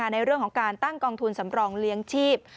ในเรื่องของการตั้งกองทุนสำรองเลี้ยงชีพ